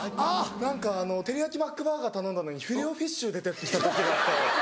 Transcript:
何かてりやきマックバーガー頼んだのにフィレオフィッシュ出てきた時があって。